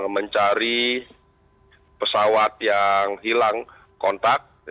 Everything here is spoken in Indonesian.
mencari pesawat yang hilang kontak